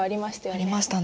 ありましたね。